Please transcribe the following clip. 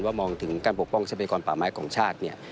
ว่ามองถึงการปกป้องชมพยากรป่าไม้ของชาติ